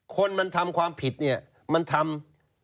คนมันทำความผิดมันทำ